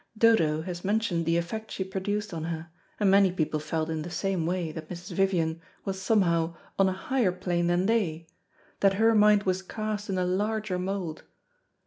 Dodo has mentioned the effect she produced on her, and many people felt in the same way that Mrs. Vivian was somehow on a higher plane than they, that her mind was cast in a larger mould.